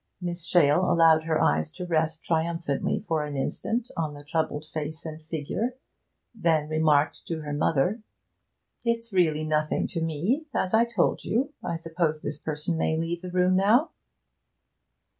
Miss Shale allowed her eyes to rest triumphantly for an instant on the troubled face and figure, then remarked to her mother 'It's really nothing to me, as I told you. I suppose this person may leave the room now?'